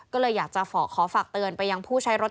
ก็เลยอยากจะขอฝากเตือนไปยังผู้ใช้รถ